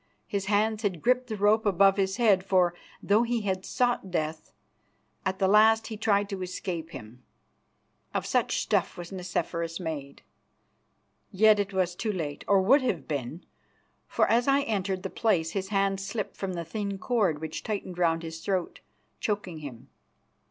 His hands had gripped the rope above his head, for though he had sought Death, at the last he tried to escape him. Of such stuff was Nicephorus made. Yet it was too late, or would have been, for as I entered the place his hands slipped from the thin cord, which tightened round his throat, choking him.